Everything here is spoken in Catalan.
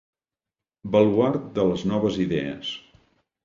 Baluard de les noves idees.